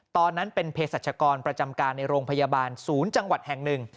ตอนนั้นเป็นเพศรัชกรประจำการในโรงพยาบาลศูนย์จังหวัดแห่งหนึ่ง